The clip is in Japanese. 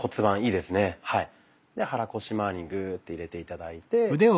で肚腰まわりにグッと入れて頂いて。